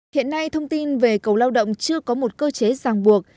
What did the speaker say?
hiện nay thông tin về cầu lao động chưa có một cơ chế giang buộc